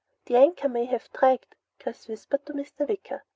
"The anchor may have dragged," Chris whispered to Mr. Wicker.